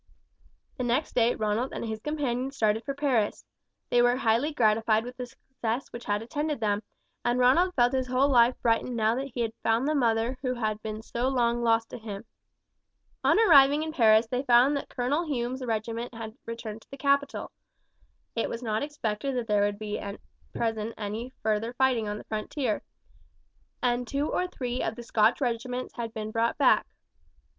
The next day Ronald and his companion started for Paris. They were highly gratified with the success which had attended them, and Ronald felt his whole life brightened now that he had found the mother who had been so long lost to him. On arriving at Paris they found that Colonel Hume's regiment had returned to the capital. It was not expected that there would at present be any further fighting on the frontier, and two or three of the Scotch regiments had been brought back.